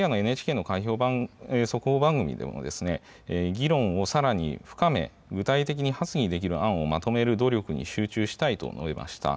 昨夜のＮＨＫの開票速報番組でも議論をさらに深め具体的に発議できる案をまとめる努力に集中したと述べました。